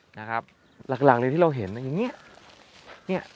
หลักเลยที่เราเห็นอย่างนี้